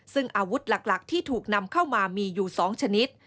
ซึ่งอาวุธหลักที่ถูกนำเข้ามามีอยู่๒ชนิด